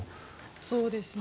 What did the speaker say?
そうですね。